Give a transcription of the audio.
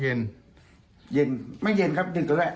เย็นไม่เย็นครับดึกเลย